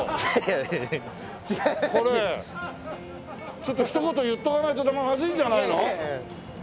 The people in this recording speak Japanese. ちょっと一言言っておかないとまずいんじゃないの？